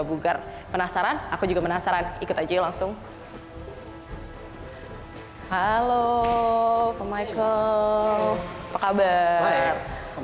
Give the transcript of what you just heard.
bugar penasaran aku juga penasaran ikut aja langsung halo pak michael apa kabar